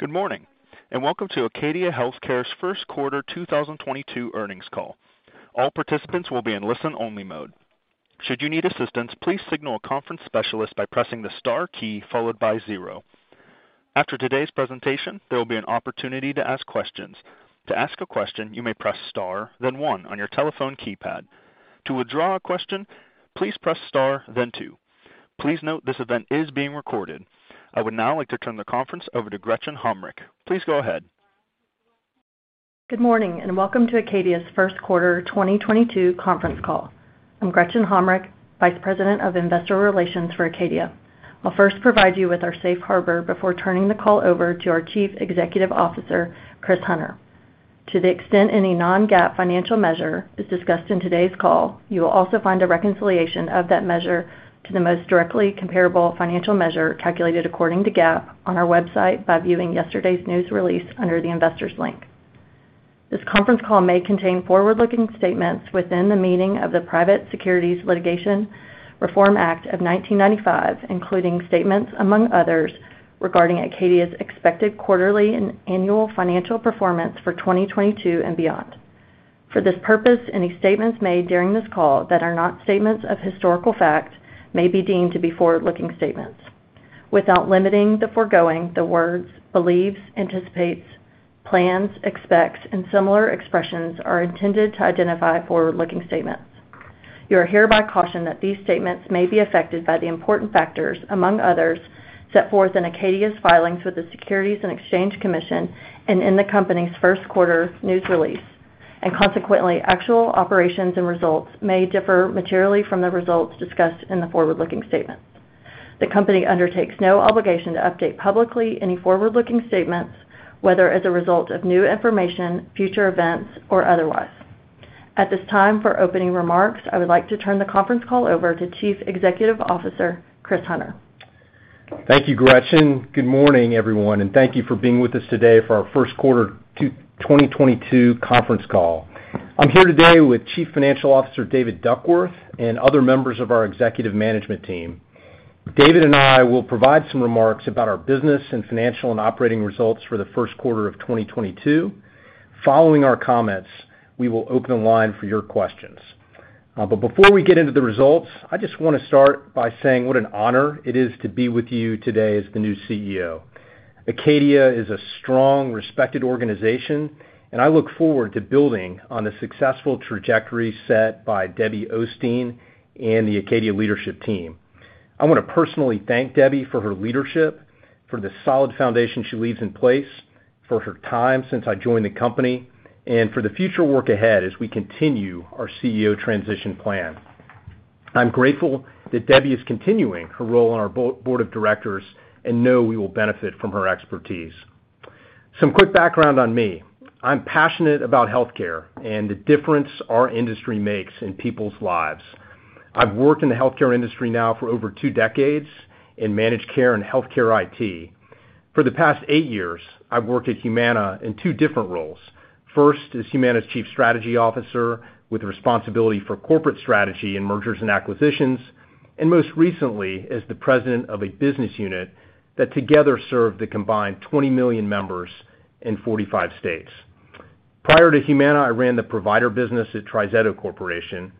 Good morning, and welcome to Acadia Healthcare's first quarter 2022 earnings call. All participants will be in listen-only mode. Should you need assistance, please signal a conference specialist by pressing the star key followed by zero. After today's presentation, there will be an opportunity to ask questions. To ask a question, you may press star, then 1 on your telephone keypad. To withdraw a question, please press star then 2. Please note this event is being recorded. I would now like to turn the conference over to Gretchen Hommrich. Please go ahead. Good morning, and welcome to Acadia's first quarter 2022 conference call. I'm Gretchen Hommrich, Vice President of Investor Relations for Acadia. I'll first provide you with our safe harbor before turning the call over to our Chief Executive Officer, Chris Hunter. To the extent any non-GAAP financial measure is discussed in today's call, you will also find a reconciliation of that measure to the most directly comparable financial measure calculated according to GAAP on our website by viewing yesterday's news release under the Investors link. This conference call may contain forward-looking statements within the meaning of the Private Securities Litigation Reform Act of 1995, including statements among others regarding Acadia's expected quarterly and annual financial performance for 2022 and beyond. For this purpose, any statements made during this call that are not statements of historical fact may be deemed to be forward-looking statements. Without limiting the foregoing, the words believes, anticipates, plans, expects, and similar expressions are intended to identify forward-looking statements. You are hereby cautioned that these statements may be affected by the important factors, among others, set forth in Acadia's filings with the Securities and Exchange Commission and in the company's first quarter news release. Consequently, actual operations and results may differ materially from the results discussed in the forward-looking statement. The company undertakes no obligation to update publicly any forward-looking statements, whether as a result of new information, future events, or otherwise. At this time, for opening remarks, I would like to turn the conference call over to Chief Executive Officer, Chris Hunter. Thank you, Gretchen. Good morning, everyone, and thank you for being with us today for our first quarter 2022 conference call. I'm here today with Chief Financial Officer David Duckworth and other members of our executive management team. David and I will provide some remarks about our business and financial and operating results for the first quarter of 2022. Following our comments, we will open the line for your questions. Before we get into the results, I just wanna start by saying what an honor it is to be with you today as the new CEO. Acadia is a strong, respected organization, and I look forward to building on the successful trajectory set by Debbie Osteen and the Acadia leadership team. I wanna personally thank Debbie for her leadership, for the solid foundation she leaves in place, for her time since I joined the company, and for the future work ahead as we continue our CEO transition plan. I'm grateful that Debbie is continuing her role on our board of directors and I know we will benefit from her expertise. Some quick background on me. I'm passionate about healthcare and the difference our industry makes in people's lives. I've worked in the healthcare industry now for over two decades in managed care and healthcare IT. For the past eight years, I've worked at Humana in two different roles. First, as Humana's Chief Strategy Officer with responsibility for corporate strategy and mergers and acquisitions, and most recently, as the president of a business unit that together served the combined 20 million members in 45 states. Prior to Humana, I ran the provider business at TriZetto Corporation.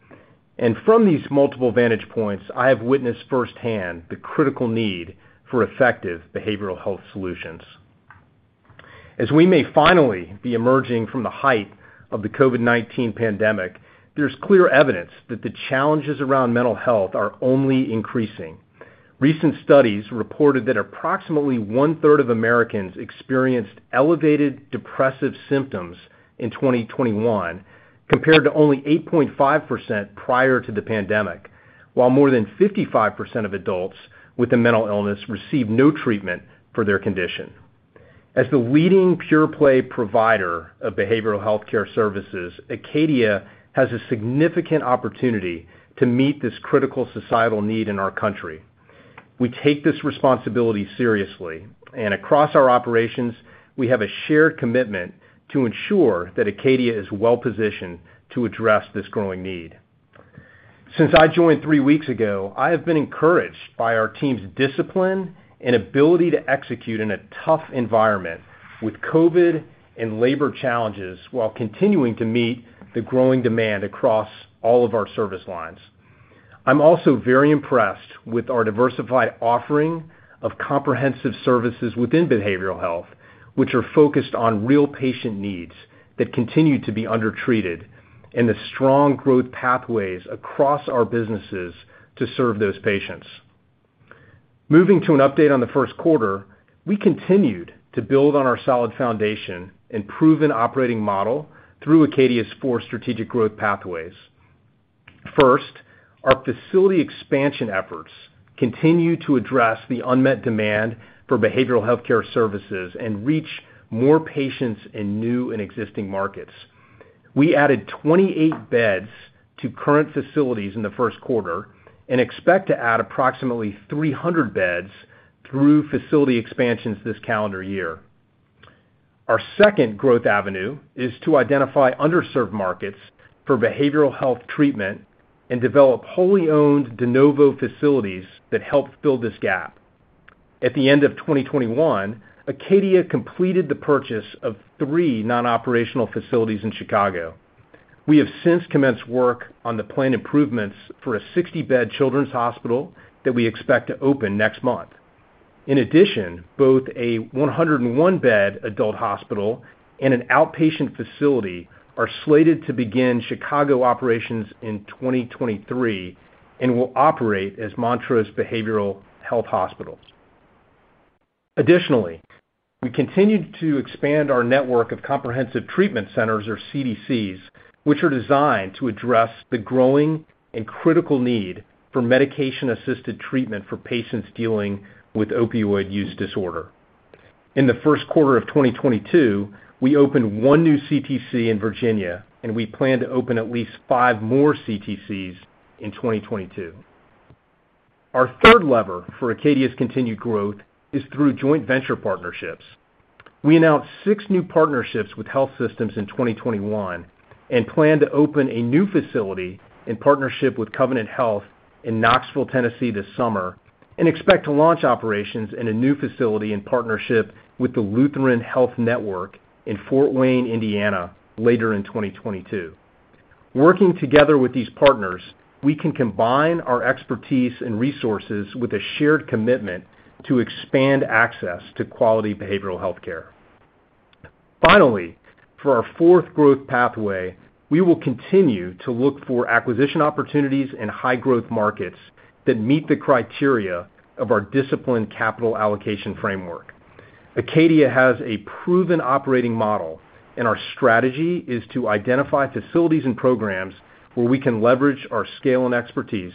From these multiple vantage points, I have witnessed firsthand the critical need for effective behavioral health solutions. As we may finally be emerging from the height of the COVID-19 pandemic, there's clear evidence that the challenges around mental health are only increasing. Recent studies reported that approximately one-third of Americans experienced elevated depressive symptoms in 2021, compared to only 8.5% prior to the pandemic, while more than 55% of adults with a mental illness received no treatment for their condition. As the leading pure-play provider of behavioral healthcare services, Acadia has a significant opportunity to meet this critical societal need in our country. We take this responsibility seriously, and across our operations, we have a shared commitment to ensure that Acadia is well-positioned to address this growing need. Since I joined three weeks ago, I have been encouraged by our team's discipline and ability to execute in a tough environment with COVID and labor challenges, while continuing to meet the growing demand across all of our service lines. I'm also very impressed with our diversified offering of comprehensive services within behavioral health, which are focused on real patient needs that continue to be undertreated, and the strong growth pathways across our businesses to serve those patients. Moving to an update on the first quarter, we continued to build on our solid foundation and proven operating model through Acadia Healthcare's four strategic growth pathways. First, our facility expansion efforts continue to address the unmet demand for behavioral healthcare services and reach more patients in new and existing markets. We added 28 beds to current facilities in the first quarter and expect to add approximately 300 beds through facility expansions this calendar year. Our second growth avenue is to identify underserved markets for behavioral health treatment and develop wholly owned de novo facilities that help fill this gap. At the end of 2021, Acadia completed the purchase of three non-operational facilities in Chicago. We have since commenced work on the planned improvements for a 60-bed children's hospital that we expect to open next month. In addition, both a 101-bed adult hospital and an outpatient facility are slated to begin Chicago operations in 2023 and will operate as Montrose Behavioral Health Hospitals. Additionally, we continue to expand our network of comprehensive treatment centers or CTCs, which are designed to address the growing and critical need for medication-assisted treatment for patients dealing with opioid use disorder. In the first quarter of 2022, we opened one new CTC in Virginia, and we plan to open at least five more CTCs in 2022. Our third lever for Acadia's continued growth is through joint venture partnerships. We announced six new partnerships with health systems in 2021 and plan to open a new facility in partnership with Covenant Health in Knoxville, Tennessee this summer and expect to launch operations in a new facility in partnership with the Lutheran Health Network in Fort Wayne, Indiana, later in 2022. Working together with these partners, we can combine our expertise and resources with a shared commitment to expand access to quality behavioral healthcare. Finally, for our fourth growth pathway, we will continue to look for acquisition opportunities in high growth markets that meet the criteria of our disciplined capital allocation framework. Acadia has a proven operating model, and our strategy is to identify facilities and programs where we can leverage our scale and expertise,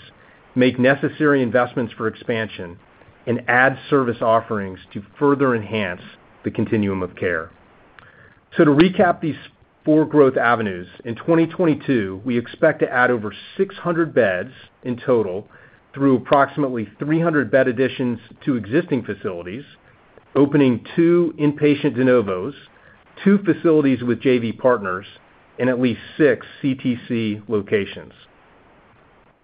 make necessary investments for expansion, and add service offerings to further enhance the continuum of care. To recap these four growth avenues, in 2022, we expect to add over 600 beds in total through approximately 300 bed additions to existing facilities, opening 2 inpatient de novos, 2 facilities with JV partners, and at least 6 CTC locations.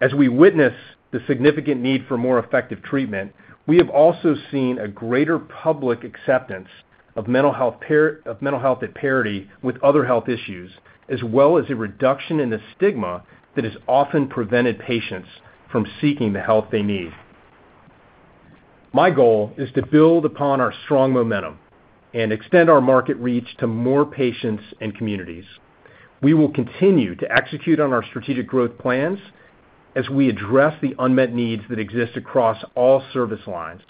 As we witness the significant need for more effective treatment, we have also seen a greater public acceptance of mental health of mental health at parity with other health issues, as well as a reduction in the stigma that has often prevented patients from seeking the help they need. My goal is to build upon our strong momentum and extend our market reach to more patients and communities. We will continue to execute on our strategic growth plans as we address the unmet needs that exist across all service lines.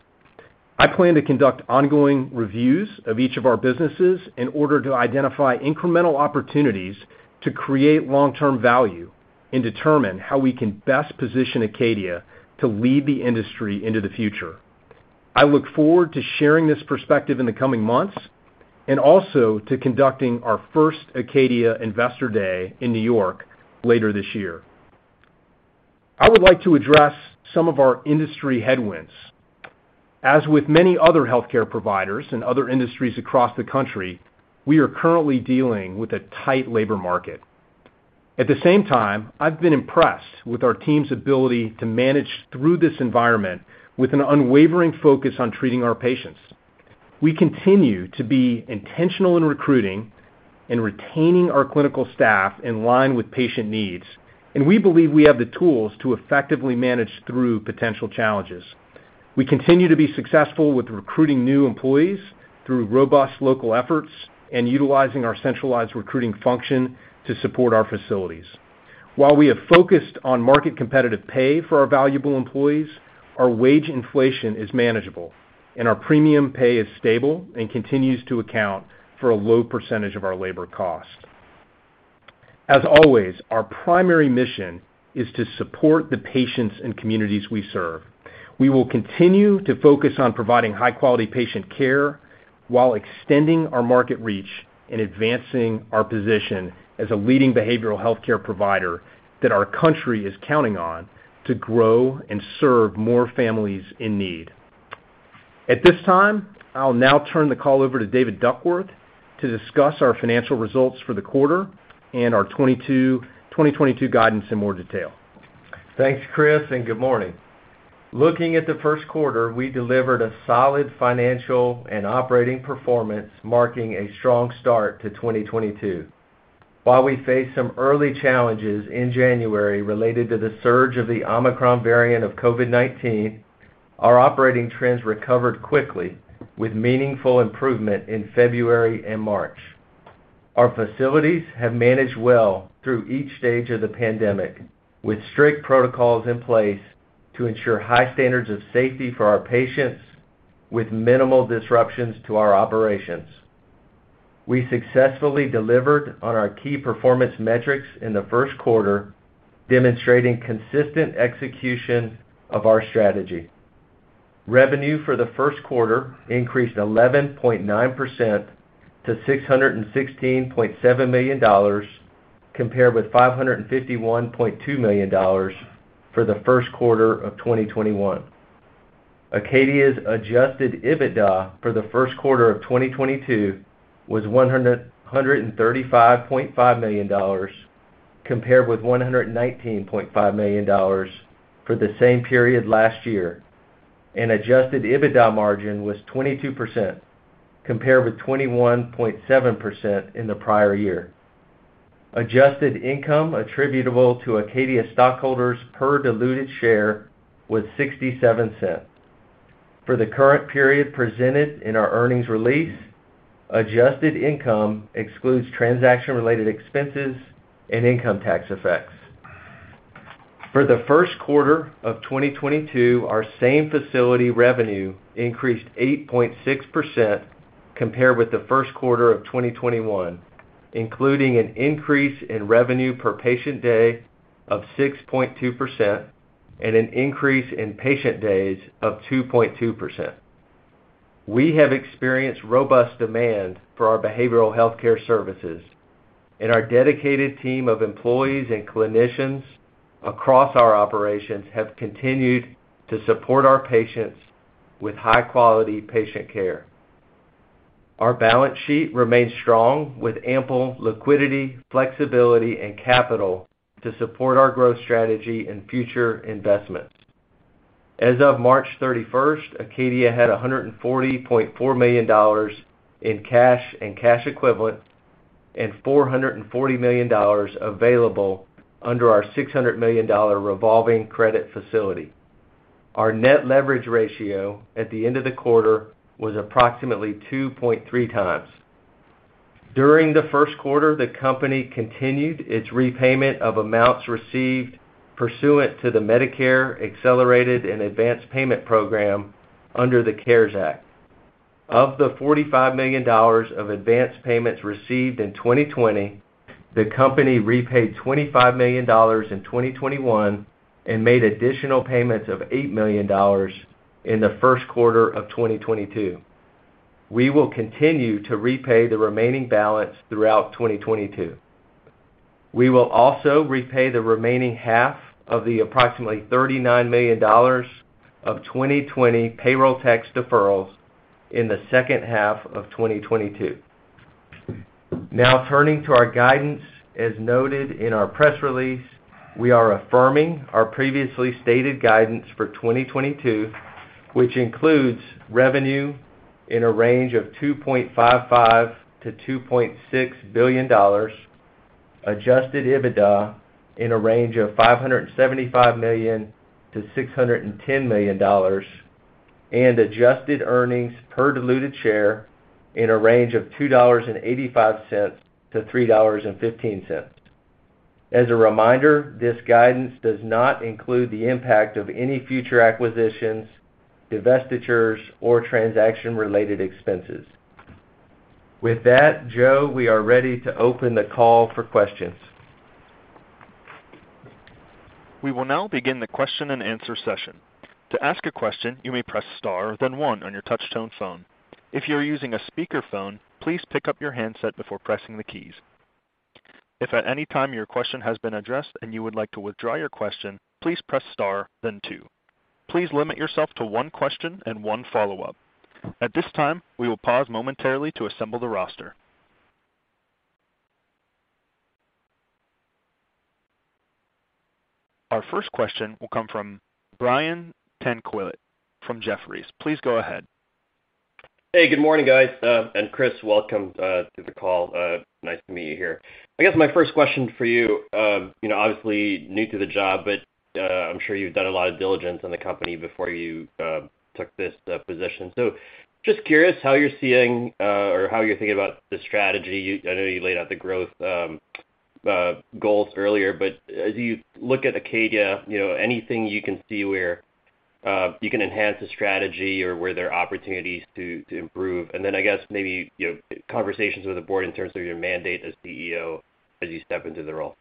I plan to conduct ongoing reviews of each of our businesses in order to identify incremental opportunities to create long-term value and determine how we can best position Acadia to lead the industry into the future. I look forward to sharing this perspective in the coming months, and also to conducting our first Acadia Investor Day in New York later this year. I would like to address some of our industry headwinds. As with many other healthcare providers and other industries across the country, we are currently dealing with a tight labor market. At the same time, I've been impressed with our team's ability to manage through this environment with an unwavering focus on treating our patients. We continue to be intentional in recruiting and retaining our clinical staff in line with patient needs, and we believe we have the tools to effectively manage through potential challenges. We continue to be successful with recruiting new employees through robust local efforts and utilizing our centralized recruiting function to support our facilities. While we have focused on market competitive pay for our valuable employees, our wage inflation is manageable, and our premium pay is stable and continues to account for a low percentage of our labor cost. As always, our primary mission is to support the patients and communities we serve. We will continue to focus on providing high quality patient care while extending our market reach and advancing our position as a leading behavioral healthcare provider that our country is counting on to grow and serve more families in need. At this time, I'll now turn the call over to David Duckworth to discuss our financial results for the quarter and our 2022 guidance in more detail. Thanks, Chris, and good morning. Looking at the first quarter, we delivered a solid financial and operating performance, marking a strong start to 2022. While we faced some early challenges in January related to the surge of the Omicron variant of COVID-19, our operating trends recovered quickly with meaningful improvement in February and March. Our facilities have managed well through each stage of the pandemic, with strict protocols in place to ensure high standards of safety for our patients with minimal disruptions to our operations. We successfully delivered on our key performance metrics in the first quarter, demonstrating consistent execution of our strategy. Revenue for the first quarter increased 11.9% to $616.7 million, compared with $551.2 million for the first quarter of 2021. Acadia's adjusted EBITDA for the first quarter of 2022 was $135.5 million compared with $119.5 million for the same period last year, and adjusted EBITDA margin was 22% compared with 21.7% in the prior year. Adjusted income attributable to Acadia stockholders per diluted share was $0.67. For the current period presented in our earnings release, adjusted income excludes transaction-related expenses and income tax effects. For the first quarter of 2022, our same-facility revenue increased 8.6% compared with the first quarter of 2021, including an increase in revenue per patient day of 6.2% and an increase in patient days of 2.2%. We have experienced robust demand for our behavioral healthcare services, and our dedicated team of employees and clinicians across our operations have continued to support our patients with high-quality patient care. Our balance sheet remains strong with ample liquidity, flexibility, and capital to support our growth strategy and future investments. As of March 31st, Acadia had $140.4 million in cash and cash equivalents and $440 million available under our $600 million revolving credit facility. Our net leverage ratio at the end of the quarter was approximately 2.3 times. During the first quarter, the company continued its repayment of amounts received pursuant to the Medicare Accelerated and Advanced Payment Program under the CARES Act. Of the $45 million of advanced payments received in 2020, the company repaid $25 million in 2021 and made additional payments of $8 million in the first quarter of 2022. We will continue to repay the remaining balance throughout 2022. We will also repay the remaining half of the approximately $39 million of 2020 payroll tax deferrals in the second half of 2022. Now turning to our guidance. As noted in our press release, we are affirming our previously stated guidance for 2022, which includes revenue in a range of $2.55 billion-$2.6 billion, adjusted EBITDA in a range of $575 million-$610 million, and adjusted earnings per diluted share in a range of $2.85-$3.15. As a reminder, this guidance does not include the impact of any future acquisitions, divestitures, or transaction-related expenses. With that, Joe, we are ready to open the call for questions. We will now begin the question-and-answer session. To ask a question, you may press star then one on your touchtone phone. If you are using a speakerphone, please pick up your handset before pressing the keys. If at any time your question has been addressed and you would like to withdraw your question, please press star then two. Please limit yourself to one question and one follow-up. At this time, we will pause momentarily to assemble the roster. Our first question will come from Brian Tanquilut from Jefferies. Please go ahead. Hey, good morning, guys. And Chris, welcome to the call. Nice to meet you here. I guess my first question for you know, obviously new to the job, but, I'm sure you've done a lot of diligence on the company before you took this position. So just curious how you're seeing or how you're thinking about the strategy. I know you laid out the growth goals earlier, but as you look at Acadia, you know, anything you can see where you can enhance the strategy or were there opportunities to improve? Then I guess maybe, you know, conversations with the board in terms of your mandate as CEO as you step into the role.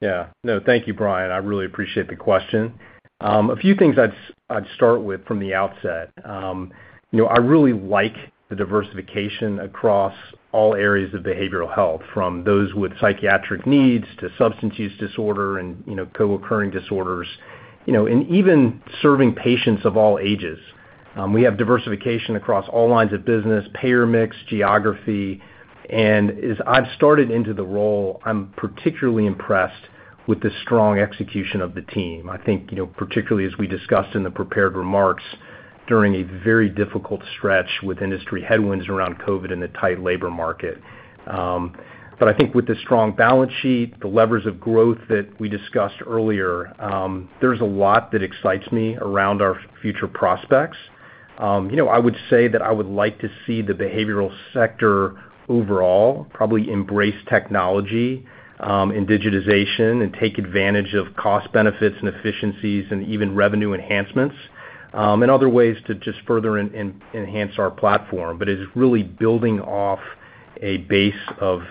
Yeah. No, thank you, Brian. I really appreciate the question. A few things I'd start with from the outset. You know, I really like the diversification across all areas of behavioral health, from those with psychiatric needs to substance use disorder and, you know, co-occurring disorders, you know, and even serving patients of all ages. We have diversification across all lines of business, payer mix, geography. As I've started into the role, I'm particularly impressed with the strong execution of the team, I think, you know, particularly as we discussed in the prepared remarks during a very difficult stretch with industry headwinds around COVID and the tight labor market. I think with the strong balance sheet, the levers of growth that we discussed earlier, there's a lot that excites me around our future prospects. You know, I would say that I would like to see the behavioral sector overall probably embrace technology, and digitization and take advantage of cost benefits and efficiencies and even revenue enhancements, and other ways to just further enhance our platform. It's really building off a base of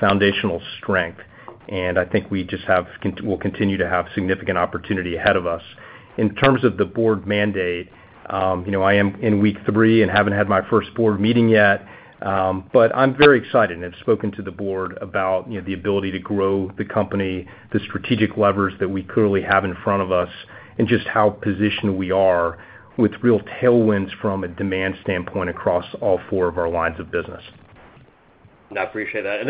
foundational strength, and I think we'll continue to have significant opportunity ahead of us. In terms of the board mandate, you know, I am in week three and haven't had my first board meeting yet, but I'm very excited. I've spoken to the board about, you know, the ability to grow the company, the strategic levers that we clearly have in front of us, and just how positioned we are with real tailwinds from a demand standpoint across all four of our lines of business. No, appreciate that.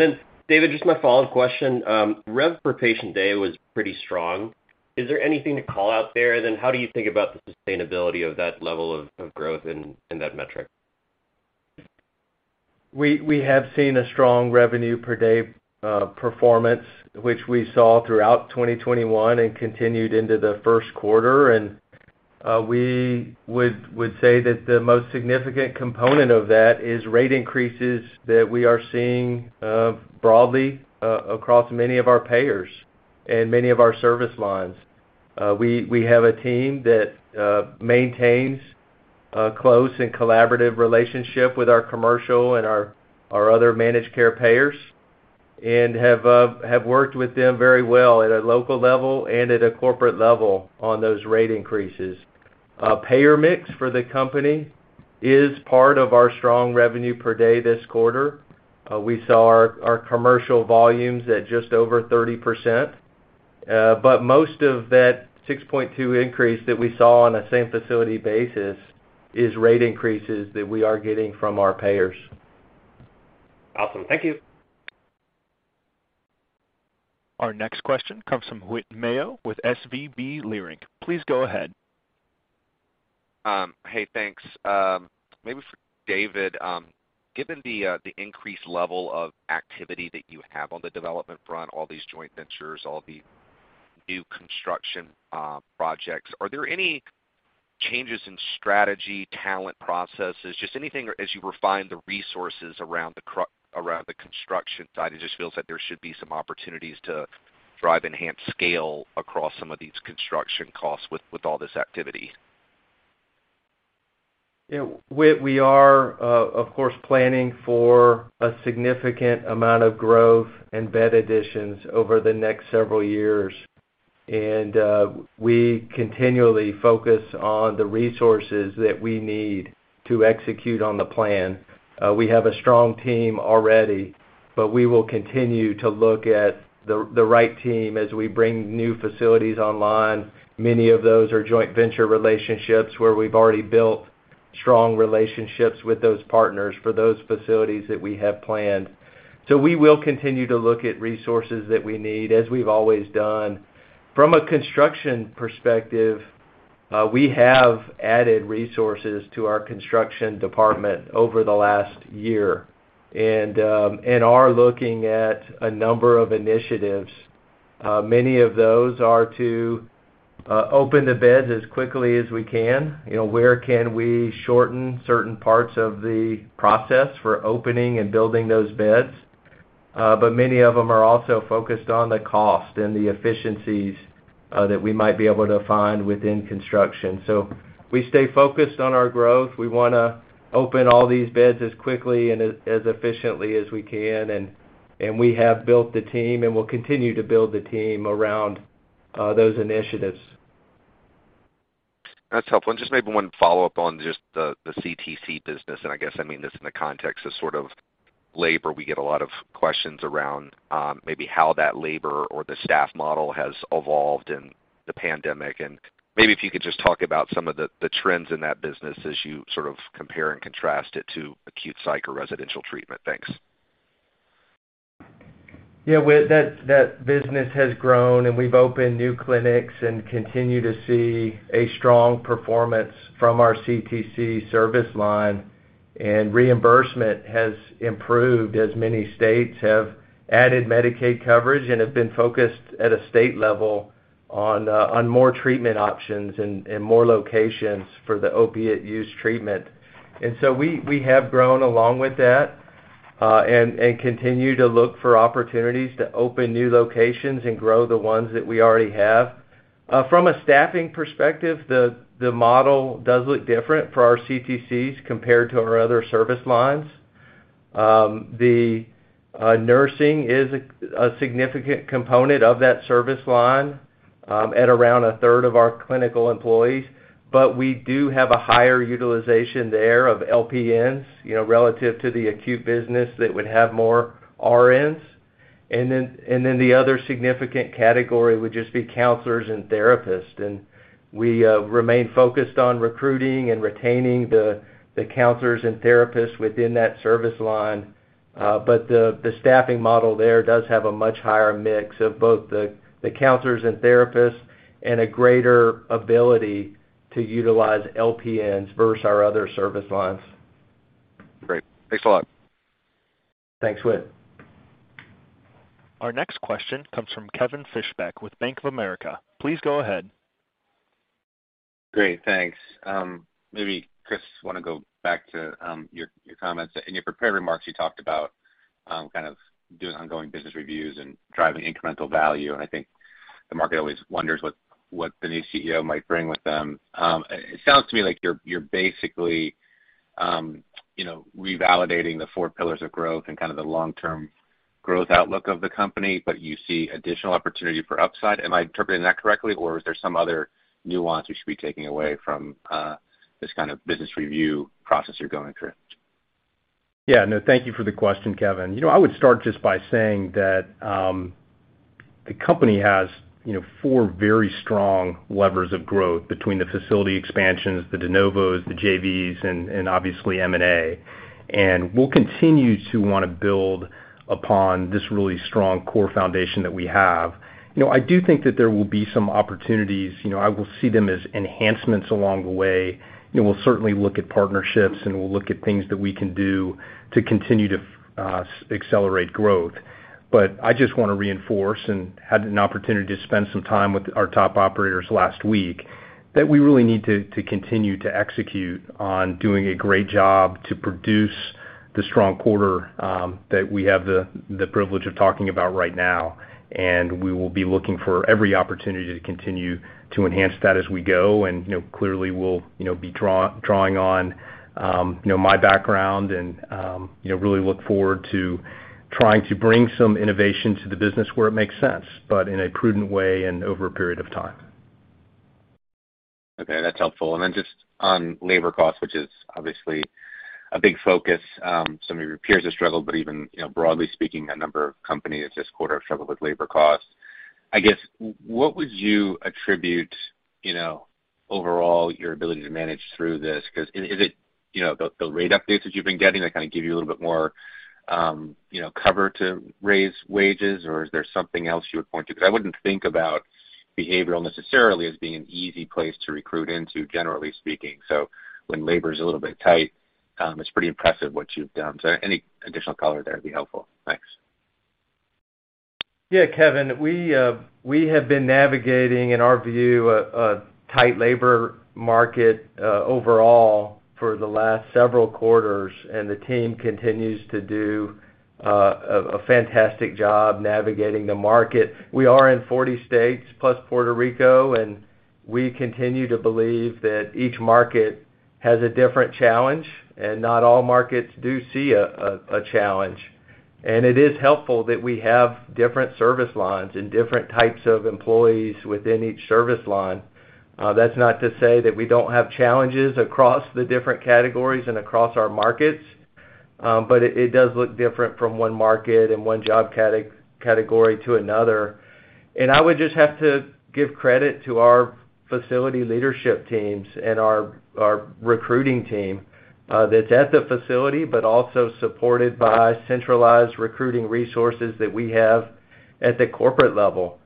David, just my follow-up question. Rev per patient day was pretty strong. Is there anything to call out there? How do you think about the sustainability of that level of growth in that metric? We have seen a strong revenue per day performance, which we saw throughout 2021 and continued into the first quarter. We would say that the most significant component of that is rate increases that we are seeing broadly across many of our payers and many of our service lines. We have a team that maintains a close and collaborative relationship with our commercial and our other managed care payers and have worked with them very well at a local level and at a corporate level on those rate increases. Payer mix for the company is part of our strong revenue per day this quarter. We saw our commercial volumes at just over 30%. Most of that 6.2% increase that we saw on a same facility basis is rate increases that we are getting from our payers. Awesome. Thank you. Our next question comes from Whit Mayo with SVB Leerink. Please go ahead. Hey, thanks. Maybe for David, given the increased level of activity that you have on the development front, all these joint ventures, all the new construction projects, are there any changes in strategy, talent, processes, just anything as you refine the resources around the construction side? It just feels that there should be some opportunities to drive enhanced scale across some of these construction costs with all this activity. Yeah. Whit, we are, of course, planning for a significant amount of growth and bed additions over the next several years. We continually focus on the resources that we need to execute on the plan. We have a strong team already, but we will continue to look at the right team as we bring new facilities online. Many of those are joint venture relationships where we've already built strong relationships with those partners for those facilities that we have planned. We will continue to look at resources that we need as we've always done. From a construction perspective, we have added resources to our construction department over the last year and are looking at a number of initiatives. Many of those are to open the beds as quickly as we can. You know, where can we shorten certain parts of the process for opening and building those beds? Many of them are also focused on the cost and the efficiencies that we might be able to find within construction. We stay focused on our growth. We wanna open all these beds as quickly and as efficiently as we can, and we have built the team, and we'll continue to build the team around those initiatives. That's helpful. Just maybe one follow-up on just the CTC business, and I guess, I mean this in the context of sort of labor, we get a lot of questions around, maybe how that labor or the staff model has evolved in the pandemic. Maybe if you could just talk about some of the trends in that business as you sort of compare and contrast it to acute psych or residential treatment. Thanks. Yeah. Whit, that business has grown, and we've opened new clinics and continue to see a strong performance from our CTC service line. Reimbursement has improved as many states have added Medicaid coverage and have been focused at a state level on more treatment options and more locations for the opiate use treatment. We have grown along with that, and continue to look for opportunities to open new locations and grow the ones that we already have. From a staffing perspective, the model does look different for our CTCs compared to our other service lines. The nursing is a significant component of that service line at around a third of our clinical employees, but we do have a higher utilization there of LPNs, you know, relative to the acute business that would have more RNs. The other significant category would just be counselors and therapists. We remain focused on recruiting and retaining the counselors and therapists within that service line. The staffing model there does have a much higher mix of both the counselors and therapists and a greater ability to utilize LPNs versus our other service lines. Great. Thanks a lot. Thanks, Whit. Our next question comes from Kevin Fischbeck with Bank of America. Please go ahead. Great. Thanks. Maybe, Chris, wanna go back to your comments. In your prepared remarks, you talked about kind of doing ongoing business reviews and driving incremental value, and I think the market always wonders what the new CEO might bring with them. It sounds to me like you're basically you know revalidating the four pillars of growth and kind of the long-term growth outlook of the company, but you see additional opportunity for upside. Am I interpreting that correctly, or is there some other nuance we should be taking away from this kind of business review process you're going through? Yeah, no, thank you for the question, Kevin. You know, I would start just by saying that, the company has, you know, four very strong levers of growth between the facility expansions, the de novos, the JVs, and obviously M&A. We'll continue to wanna build upon this really strong core foundation that we have. You know, I do think that there will be some opportunities, you know, I will see them as enhancements along the way. You know, we'll certainly look at partnerships, and we'll look at things that we can do to continue to accelerate growth. I just wanna reinforce, and had an opportunity to spend some time with our top operators last week, that we really need to continue to execute on doing a great job to produce the strong quarter, that we have the privilege of talking about right now. We will be looking for every opportunity to continue to enhance that as we go. You know, clearly we'll, you know, be drawing on, you know, my background and, you know, really look forward to trying to bring some innovation to the business where it makes sense, but in a prudent way and over a period of time. Okay, that's helpful. Then just on labor costs, which is obviously a big focus, some of your peers have struggled, but even, you know, broadly speaking, a number of companies this quarter have struggled with labor costs. I guess, what would you attribute, you know, overall your ability to manage through this? Cause is it, you know, the rate updates that you've been getting that kind of give you a little bit more, you know, cover to raise wages, or is there something else you would point to? Because I wouldn't think about behavioral necessarily as being an easy place to recruit into, generally speaking. When labor's a little bit tight, it's pretty impressive what you've done. Any additional color there would be helpful. Thanks. Yeah, Kevin, we have been navigating, in our view, a tight labor market overall for the last several quarters, and the team continues to do a fantastic job navigating the market. We are in 40 states plus Puerto Rico, and we continue to believe that each market has a different challenge, and not all markets do see a challenge. It is helpful that we have different service lines and different types of employees within each service line. That's not to say that we don't have challenges across the different categories and across our markets, but it does look different from one market and one job category to another. I would just have to give credit to our facility leadership teams and our recruiting team that's at the facility but also supported by centralized recruiting resources that we have at the corporate level.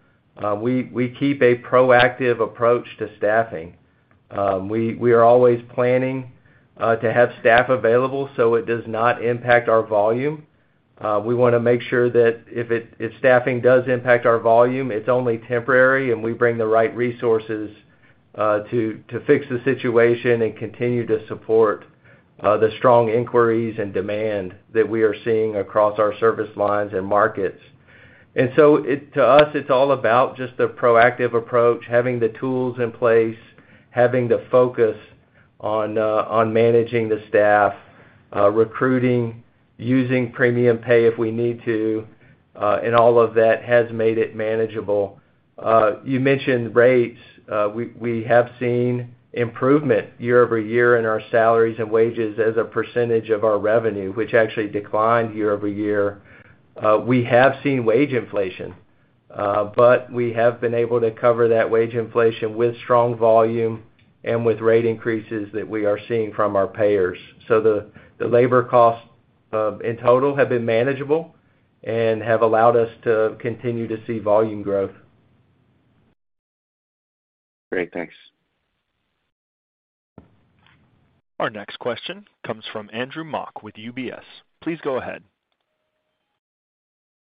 We keep a proactive approach to staffing. We are always planning to have staff available, so it does not impact our volume. We wanna make sure that if staffing does impact our volume, it's only temporary, and we bring the right resources to fix the situation and continue to support the strong inquiries and demand that we are seeing across our service lines and markets. To us, it's all about just the proactive approach, having the tools in place, having the focus on managing the staff, recruiting, using premium pay if we need to, and all of that has made it manageable. You mentioned rates. We have seen improvement year-over-year in our salaries and wages as a percentage of our revenue, which actually declined year-over-year. We have seen wage inflation, but we have been able to cover that wage inflation with strong volume and with rate increases that we are seeing from our payers. The labor costs in total have been manageable and have allowed us to continue to see volume growth. Great. Thanks. Our next question comes from Andrew Mok with UBS. Please go ahead.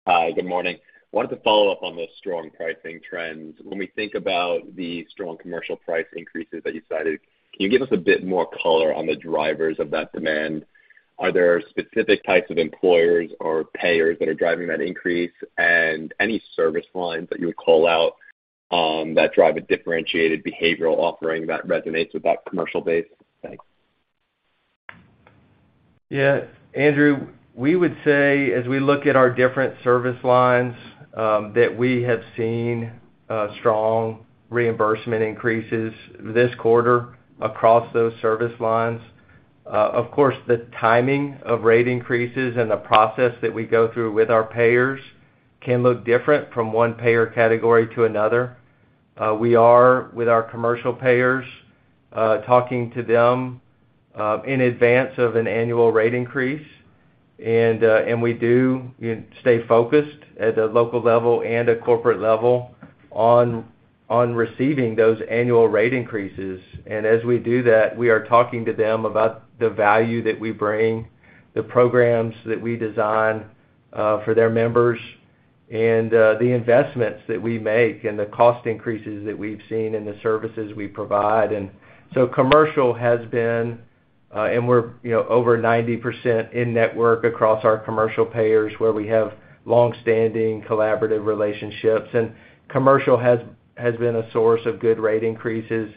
Hi. Good morning. Wanted to follow up on the strong pricing trends. When we think about the strong commercial price increases that you cited, can you give us a bit more color on the drivers of that demand? Are there specific types of employers or payers that are driving that increase? Any service lines that you would call out that drive a differentiated behavioral offering that resonates with that commercial base? Thanks. Yeah. Andrew, we would say, as we look at our different service lines, that we have seen strong reimbursement increases this quarter across those service lines. Of course, the timing of rate increases and the process that we go through with our payers can look different from one payer category to another. We are, with our commercial payers, talking to them in advance of an annual rate increase. We do, you know, stay focused at the local level and at corporate level on receiving those annual rate increases. As we do that, we are talking to them about the value that we bring, the programs that we design for their members, and the investments that we make and the cost increases that we've seen in the services we provide. Commercial has been, and we're, you know, over 90% in network across our commercial payers, where we have longstanding collaborative relationships. Commercial has been a source of good rate increases.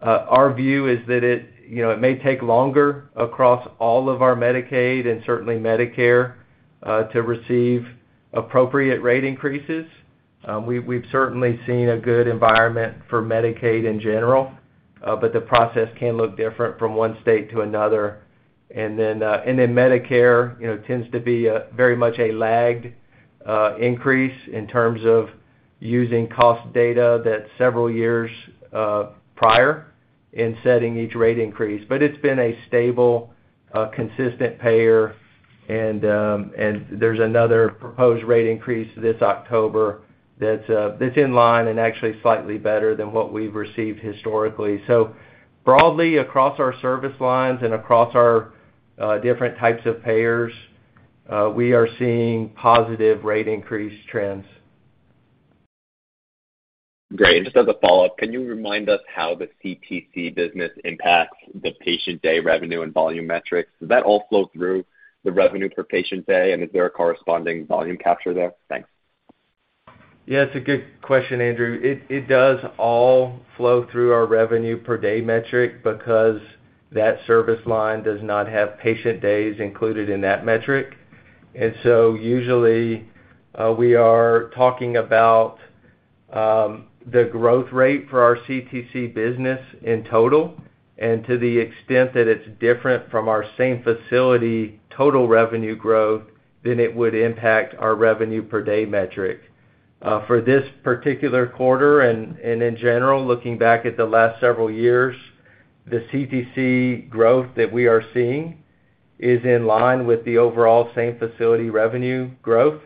Our view is that it, you know, it may take longer across all of our Medicaid and certainly Medicare to receive appropriate rate increases. We've certainly seen a good environment for Medicaid in general, but the process can look different from one state to another. Medicare, you know, tends to be a very much a lagged increase in terms of using cost data that's several years prior in setting each rate increase. It's been a stable, consistent payer and there's another proposed rate increase this October that's in line and actually slightly better than what we've received historically. Broadly across our service lines and across our different types of payers, we are seeing positive rate increase trends. Great. Just as a follow-up, can you remind us how the CTC business impacts the patient day revenue and volume metrics? Does that all flow through the revenue per patient day, and is there a corresponding volume capture there? Thanks. Yeah, it's a good question, Andrew. It does all flow through our revenue per day metric because that service line does not have patient days included in that metric. Usually, we are talking about the growth rate for our CTC business in total. To the extent that it's different from our same facility total revenue growth, then it would impact our revenue per day metric. For this particular quarter and in general, looking back at the last several years, the CTC growth that we are seeing is in line with the overall same facility revenue growth.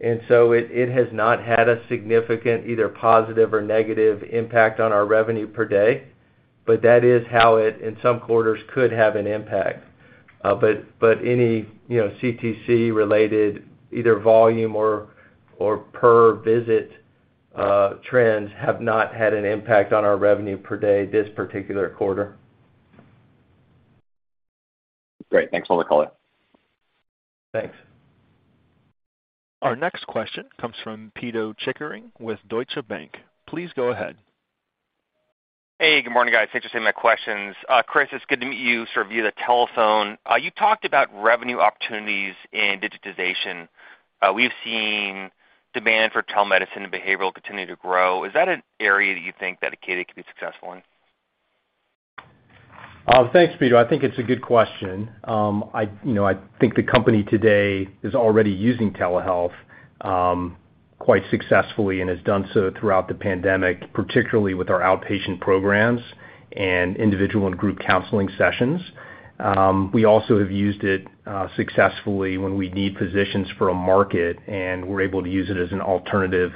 It has not had a significant either positive or negative impact on our revenue per day, but that is how it in some quarters could have an impact. Any, you know, CTC related either volume or per visit trends have not had an impact on our revenue per day this particular quarter. Great. Thanks for the color. Thanks. Our next question comes from Pito Chickering with Deutsche Bank. Please go ahead. Hey, good morning, guys. Thanks for taking my questions. Chris, it's good to meet you, sort of via the telephone. You talked about revenue opportunities in digitization. We've seen demand for telemedicine and behavioral continue to grow. Is that an area that you think that Acadia can be successful in? Thanks, Pito. I think it's a good question. You know, I think the company today is already using telehealth quite successfully and has done so throughout the pandemic, particularly with our outpatient programs and individual and group counseling sessions. We also have used it successfully when we need physicians for a market, and we're able to use it as an alternative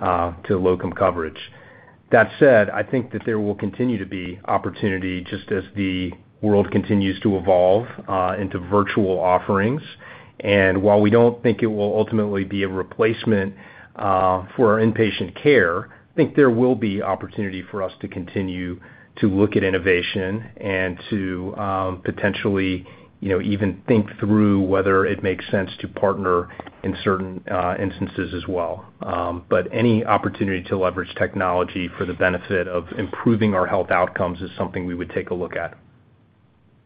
to locum coverage. That said, I think that there will continue to be opportunity just as the world continues to evolve into virtual offerings. While we don't think it will ultimately be a replacement for our inpatient care, I think there will be opportunity for us to continue to look at innovation and to potentially, you know, even think through whether it makes sense to partner in certain instances as well. Any opportunity to leverage technology for the benefit of improving our health outcomes is something we would take a look at.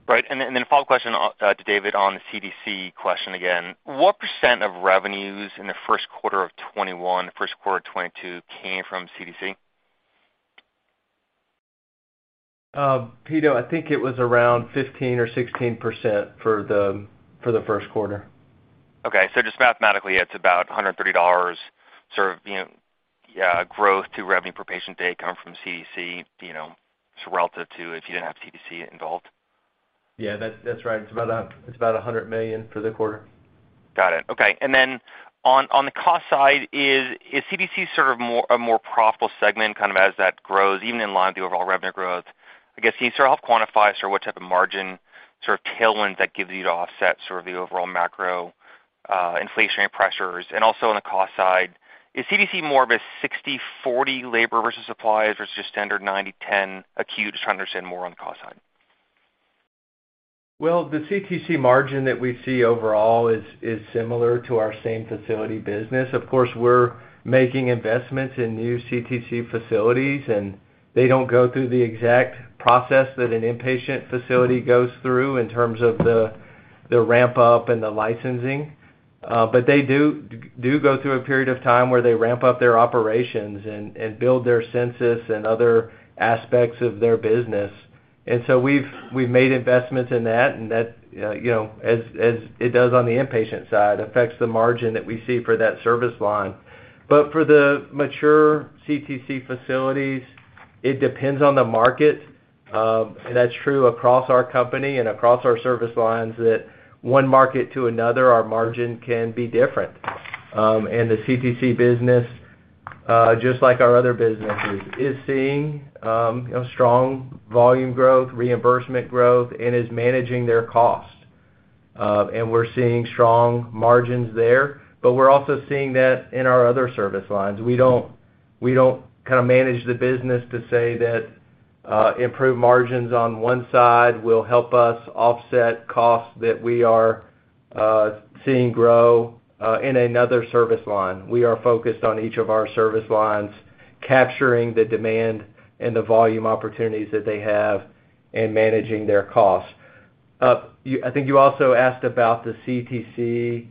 Right. A follow-up question to David on the CTC question again. What percent of revenues in the first quarter of 2021, first quarter of 2022 came from CTC? Pito, I think it was around 15 or 16% for the first quarter. Just mathematically, it's about $130 sort of, you know, growth to revenue per patient day coming from CTC, you know, sort of relative to if you didn't have CTC involved. Yeah. That's right. It's about $100 million for the quarter. Got it. Okay. On the cost side, is CTC sort of a more profitable segment kind of as that grows, even in line with the overall revenue growth? I guess, can you sort of help quantify sort of what type of margin sort of tailwind that gives you to offset sort of the overall macro, inflationary pressures? On the cost side, is CTC more of a 60/40 labor versus supplies versus just standard 90/10 acute? Just trying to understand more on the cost side. Well, the CTC margin that we see overall is similar to our same facility business. Of course, we're making investments in new CTC facilities, and they don't go through the exact process that an inpatient facility goes through in terms of the ramp up and the licensing. But they do go through a period of time where they ramp up their operations and build their census and other aspects of their business. We've made investments in that, and that, you know, as it does on the inpatient side, affects the margin that we see for that service line. But for the mature CTC facilities, it depends on the market. That's true across our company and across our service lines that one market to another, our margin can be different. The CTC business, just like our other businesses, is seeing, you know, strong volume growth, reimbursement growth, and is managing their costs. We're seeing strong margins there, but we're also seeing that in our other service lines. We don't kind of manage the business to say that improved margins on one side will help us offset costs that we are seeing grow in another service line. We are focused on each of our service lines, capturing the demand and the volume opportunities that they have and managing their costs. I think you also asked about the CTC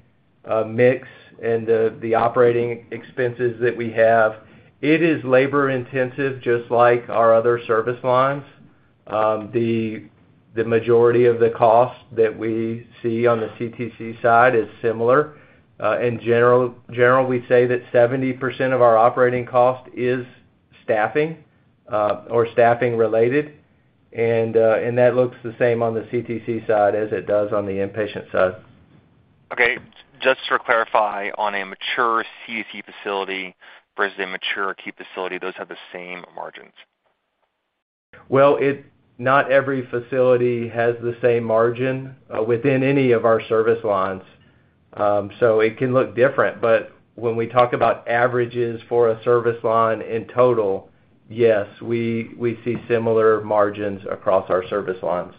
mix and the operating expenses that we have. It is labor-intensive just like our other service lines. The majority of the costs that we see on the CTC side is similar. In general, we say that 70% of our operating cost is staffing or staffing related. That looks the same on the CTC side as it does on the inpatient side. Okay. Just to clarify, on a mature CTC facility versus a mature acute facility, those have the same margins? Well, not every facility has the same margin within any of our service lines, so it can look different. When we talk about averages for a service line in total, yes, we see similar margins across our service lines.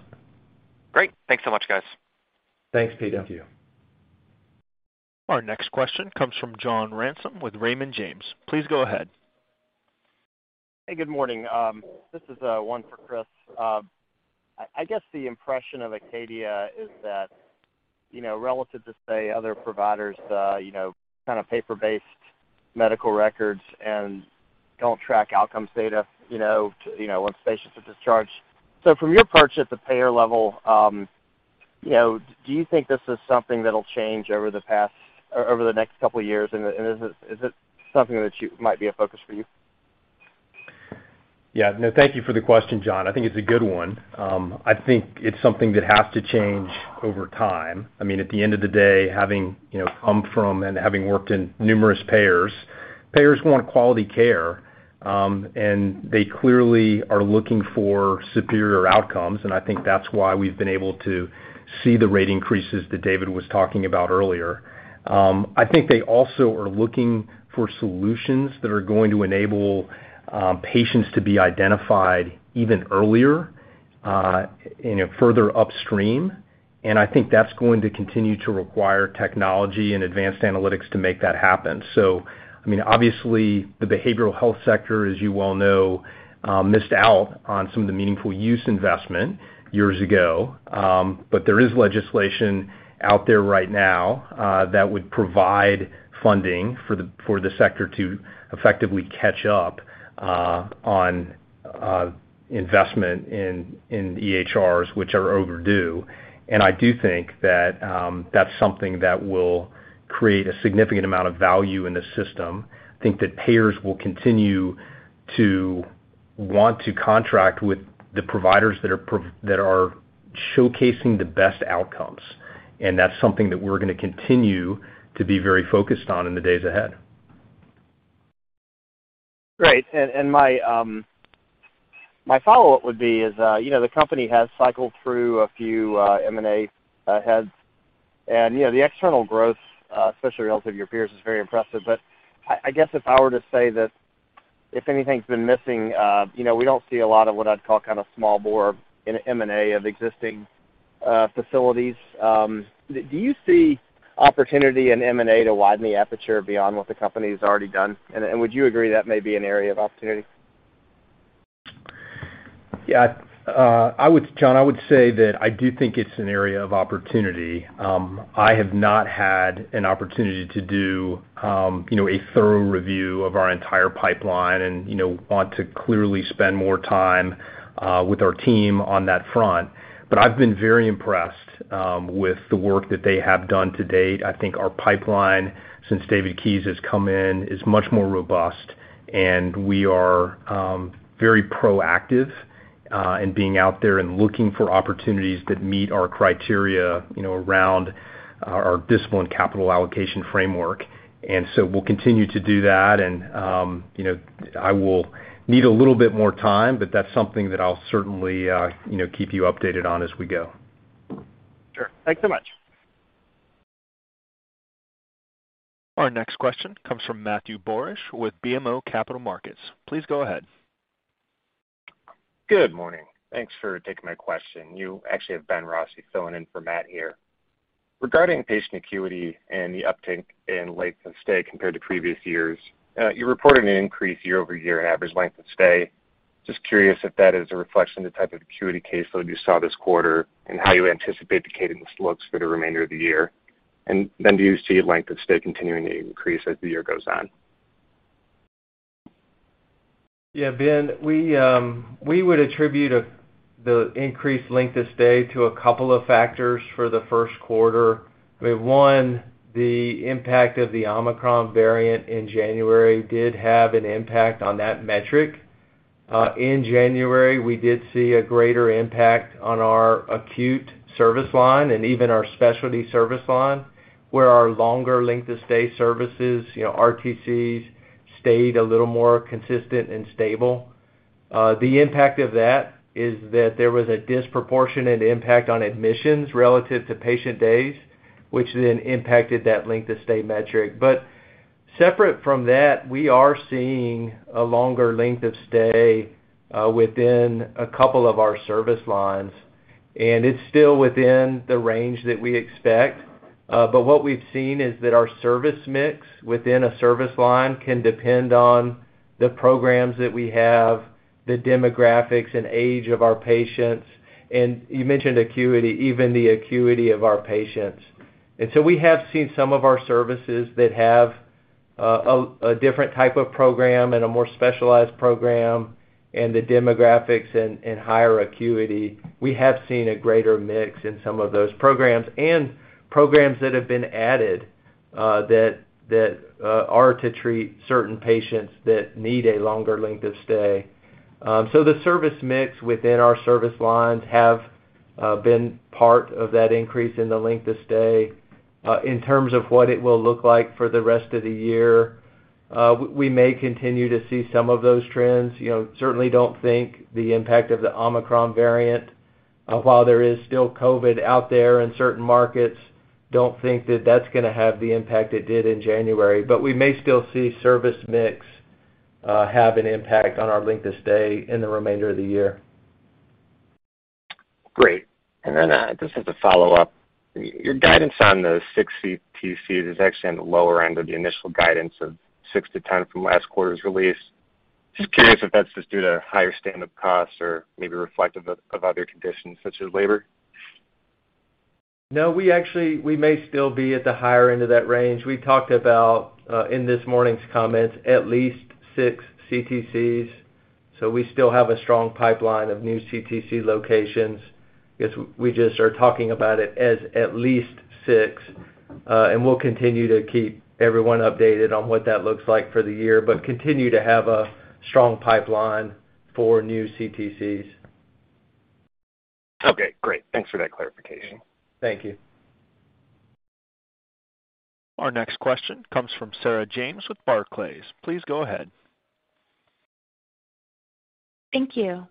Great. Thanks so much, guys. Thanks, Peter. Thank you. Our next question comes from John Ransom with Raymond James. Please go ahead. Hey, good morning. This is one for Chris. I guess the impression of Acadia is that, you know, relative to, say, other providers, you know, kind of paper-based medical records and don't track outcomes data, you know, to, you know, once patients are discharged. From your perch at the payer level, you know, do you think this is something that'll change over the next couple of years, and is it something that you might be a focus for you? Yeah. No, thank you for the question, John. I think it's a good one. I think it's something that has to change over time. I mean, at the end of the day, having, you know, come from and having worked in numerous payers want quality care, and they clearly are looking for superior outcomes, and I think that's why we've been able to see the rate increases that David was talking about earlier. I think they also are looking for solutions that are going to enable, patients to be identified even earlier, you know, further upstream. I think that's going to continue to require technology and advanced analytics to make that happen. I mean, obviously, the behavioral health sector, as you well know, missed out on some of the meaningful use investment years ago. There is legislation out there right now that would provide funding for the sector to effectively catch up on investment in EHRs, which are overdue. I do think that that's something that will create a significant amount of value in the system. I think that payers will continue to want to contract with the providers that are showcasing the best outcomes. That's something that we're gonna continue to be very focused on in the days ahead. Great. My follow-up would be is, you know, the company has cycled through a few M&A heads. You know, the external growth, especially relative to your peers, is very impressive. I guess if I were to say that if anything's been missing, you know, we don't see a lot of what I'd call kind of small bore in M&A of existing facilities. Do you see opportunity in M&A to widen the aperture beyond what the company has already done? Would you agree that may be an area of opportunity? Yeah. John, I would say that I do think it's an area of opportunity. I have not had an opportunity to do, you know, a thorough review of our entire pipeline and, you know, want to clearly spend more time with our team on that front. I've been very impressed with the work that they have done to date. I think our pipeline since David Keys has come in is much more robust, and we are very proactive in being out there and looking for opportunities that meet our criteria, you know, around our disciplined capital allocation framework. We'll continue to do that and, you know, I will need a little bit more time, but that's something that I'll certainly, you know, keep you updated on as we go. Sure. Thanks so much. Our next question comes from Matthew Borsch with BMO Capital Markets. Please go ahead. Good morning. Thanks for taking my question. You actually have Benjamin Rossi filling in for Matt here. Regarding patient acuity and the uptick in length of stay compared to previous years, you reported an increase year-over-year average length of stay. Just curious if that is a reflection of the type of acuity caseload you saw this quarter and how you anticipate the cadence looks for the remainder of the year. Do you see length of stay continuing to increase as the year goes on? Yeah, Ben, we would attribute the increased length of stay to a couple of factors for the first quarter. I mean, one, the impact of the Omicron variant in January did have an impact on that metric. In January, we did see a greater impact on our acute service line and even our specialty service line, where our longer length of stay services, you know, RTCs stayed a little more consistent and stable. The impact of that is that there was a disproportionate impact on admissions relative to patient days, which then impacted that length of stay metric. Separate from that, we are seeing a longer length of stay within a couple of our service lines, and it's still within the range that we expect. What we've seen is that our service mix within a service line can depend on The programs that we have, the demographics and age of our patients, and you mentioned acuity, even the acuity of our patients. We have seen some of our services that have a different type of program and a more specialized program, and the demographics and higher acuity. We have seen a greater mix in some of those programs and programs that have been added that are to treat certain patients that need a longer length of stay. The service mix within our service lines have been part of that increase in the length of stay. In terms of what it will look like for the rest of the year, we may continue to see some of those trends. You know, certainly don't think the impact of the Omicron variant, while there is still COVID out there in certain markets, don't think that that's gonna have the impact it did in January. We may still see service mix have an impact on our length of stay in the remainder of the year. Great. Just as a follow-up, your guidance on those 6 CTCs is actually on the lower end of the initial guidance of 6-10 from last quarter's release. Just curious if that's just due to higher standup costs or maybe reflective of other conditions such as labor. No, we actually may still be at the higher end of that range. We talked about in this morning's comments, at least six CTCs. We still have a strong pipeline of new CTC locations. Guess we just are talking about it as at least six. We'll continue to keep everyone updated on what that looks like for the year, but continue to have a strong pipeline for new CTCs. Okay, great. Thanks for that clarification. Thank you. Our next question comes from Sarah James with Barclays. Please go ahead. Thank you.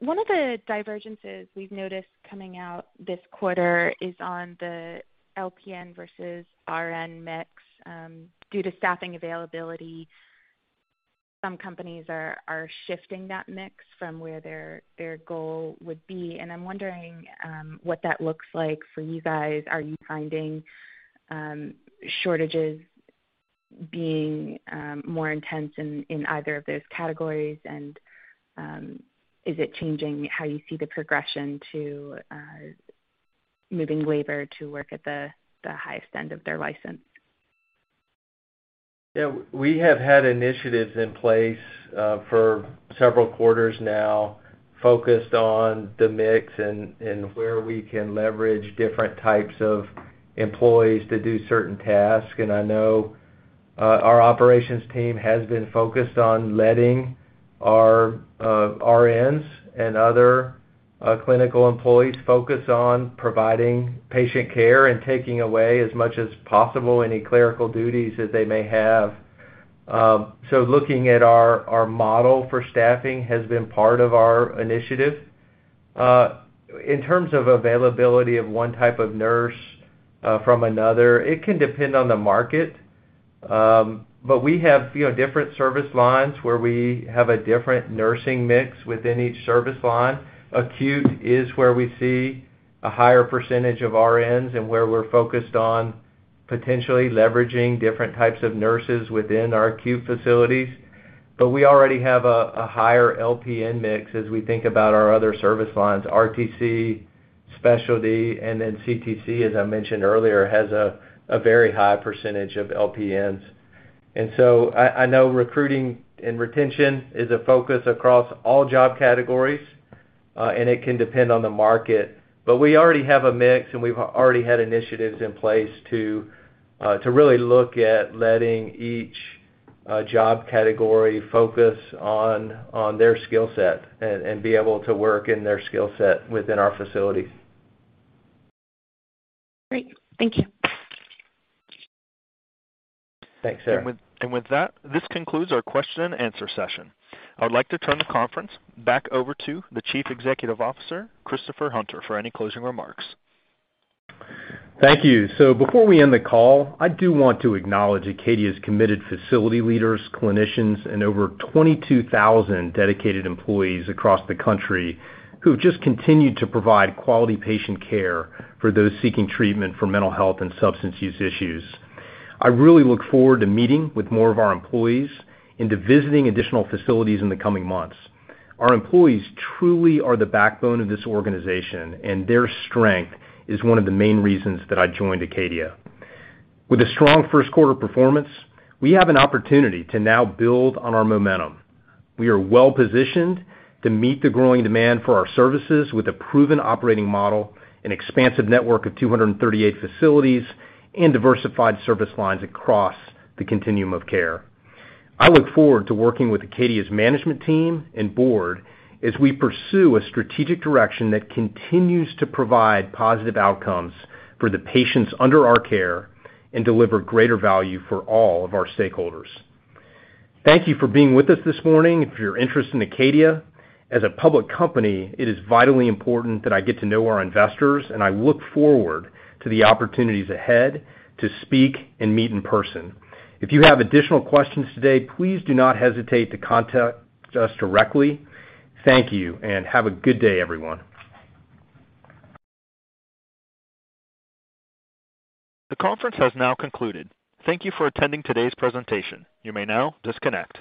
One of the divergences we've noticed coming out this quarter is on the LPN versus RN mix. Due to staffing availability, some companies are shifting that mix from where their goal would be, and I'm wondering what that looks like for you guys. Are you finding shortages being more intense in either of those categories? Is it changing how you see the progression to moving labor to work at the highest end of their license? Yeah. We have had initiatives in place for several quarters now, focused on the mix and where we can leverage different types of employees to do certain tasks. I know our operations team has been focused on letting our RNs and other clinical employees focus on providing patient care and taking away as much as possible any clerical duties that they may have. Looking at our model for staffing has been part of our initiative. In terms of availability of one type of nurse from another, it can depend on the market. We have, you know, different service lines where we have a different nursing mix within each service line. Acute is where we see a higher percentage of RNs and where we're focused on potentially leveraging different types of nurses within our acute facilities. We already have a higher LPN mix as we think about our other service lines, RTC, specialty, and then CTC. As I mentioned earlier, it has a very high percentage of LPNs. I know recruiting and retention is a focus across all job categories, and it can depend on the market. We already have a mix, and we've already had initiatives in place to really look at letting each job category focus on their skill set and be able to work in their skill set within our facilities. Great. Thank you. Thanks, Sarah. With that, this concludes our question and answer session. I would like to turn the conference back over to the Chief Executive Officer, Christopher Hunter, for any closing remarks. Thank you. Before we end the call, I do want to acknowledge Acadia's committed facility leaders, clinicians, and over 22,000 dedicated employees across the country who've just continued to provide quality patient care for those seeking treatment for mental health and substance use issues. I really look forward to meeting with more of our employees and to visiting additional facilities in the coming months. Our employees truly are the backbone of this organization, and their strength is one of the main reasons that I joined Acadia. With a strong first quarter performance, we have an opportunity to now build on our momentum. We are well-positioned to meet the growing demand for our services with a proven operating model, an expansive network of 238 facilities, and diversified service lines across the continuum of care. I look forward to working with Acadia's management team and board as we pursue a strategic direction that continues to provide positive outcomes for the patients under our care and deliver greater value for all of our stakeholders. Thank you for being with us this morning. If you're interested in Acadia, as a public company, it is vitally important that I get to know our investors, and I look forward to the opportunities ahead to speak and meet in person. If you have additional questions today, please do not hesitate to contact us directly. Thank you, and have a good day, everyone. The conference has now concluded. Thank you for attending today's presentation. You may now disconnect.